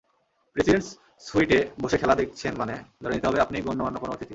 Presidents স্যুইটে বসে খেলা দেখছেন মানে ধরে নিতে হবে, আপনি গণ্যমান্য কোনো অতিথি।